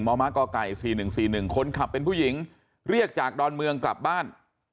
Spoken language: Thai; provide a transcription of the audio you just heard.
มมกไก่๔๑๔๑คนขับเป็นผู้หญิงเรียกจากดอนเมืองกลับบ้าน